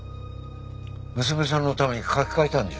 娘さんのために書き換えたんでしょ？